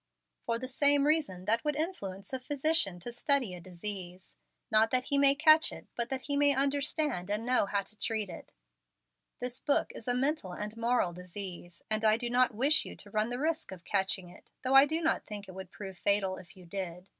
"For the same reason that would influence a physician to study a disease, not that he may catch it, but that he may understand and know how to treat it. This book is a mental and moral disease, and I do not wish you to run the risk of catching it, though I do not think it would prove fatal if you did.